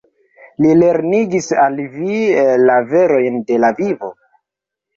Li lernigis al vi la verojn de la vivo?